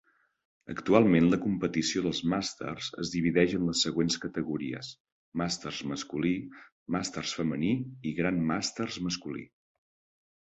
Actualment, la competició dels Masters es divideix en les següents categories: Masters masculí, Masters femení i Grandmasters masculí.